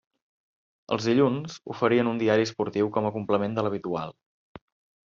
Els dilluns oferien un diari esportiu com a complement de l’habitual.